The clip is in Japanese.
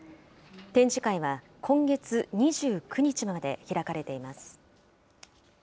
展示会は今月２９日まで開かれています。